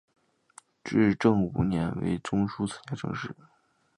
至正五年为中书参知政事。